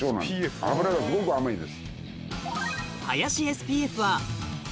脂がすごく甘いんです。